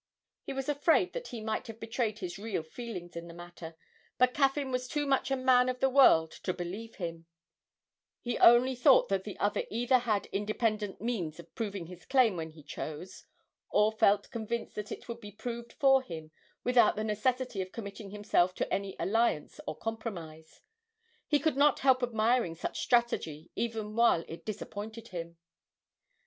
He was afraid that he might have betrayed his real feelings in the matter; but Caffyn was too much a man of the world to believe him: he only thought that the other either had independent means of proving his claim when he chose, or felt convinced that it would be proved for him without the necessity of committing himself to any alliance or compromise. He could not help admiring such strategy even while it disappointed him.